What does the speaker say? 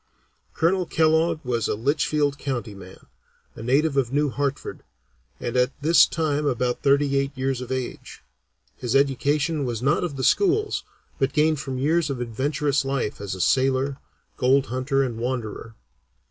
Colonel Kellogg was a Litchfield County man, a native of New Hartford, and at this time about thirty eight years of age. His education was not of the schools, but gained from years of adventurous life as sailor, gold hunter, and wanderer.